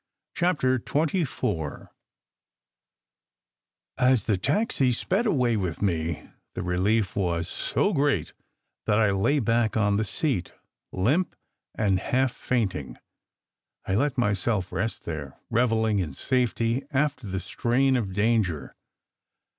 CHAPTER XXIV A THE taxi sped away with me, the relief was so great that I lay back on the seat, limp and half fainting. I let myself rest there, revelling in safety after the strain of danger.